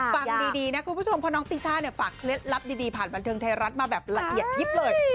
ฟังดีนะคุณผู้ชมเพราะน้องติช่าเนี่ยฝากเคล็ดลับดีผ่านบันเทิงไทยรัฐมาแบบละเอียดยิบเลย